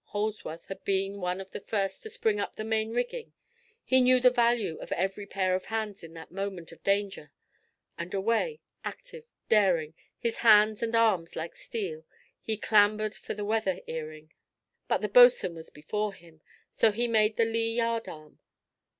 Holdsworth had been one of the first to spring up the main rigging; he knew the value of every pair of hands in that moment of danger; and away—active, daring, his hands and arms like steel—he clambered for the weather earing. But the boatswain was before him, so he made for the lee yard arm.